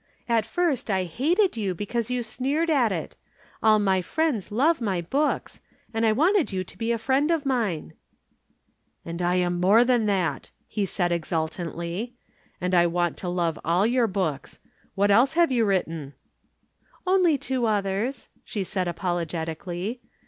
"At first I hated you because you sneered at it. All my friends love my books and I wanted you to be a friend of mine." "I am more than that," he said exultantly. "And I want to love all your books. What else have you written?" "Only two others," she said apologetically.